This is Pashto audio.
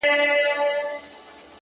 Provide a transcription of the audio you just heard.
که سره وژنئ که نه’ ماته چي زکات راوړئ’